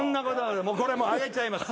これもうあげちゃいます。